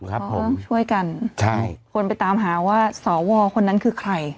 ครับผมช่วยกันใช่คนไปตามหาว่าสวคนนั้นคือใคร